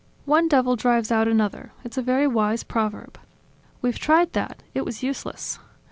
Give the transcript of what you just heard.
One devil drives out another: it's a very wise proverb." "We've tried that; it was useless.